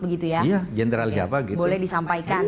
begitu ya iya jenderal siapa gitu boleh disampaikan